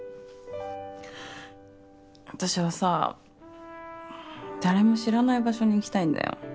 私はさ誰も知らない場所に行きたいんだよ。